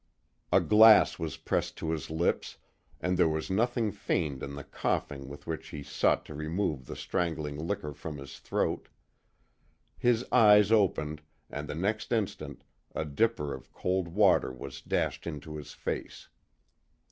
A glass was pressed to his lips, and there was nothing feigned in the coughing with which he sought to remove the strangling liquor from his throat. His eyes opened, and the next instant a dipper of cold water was dashed into his face.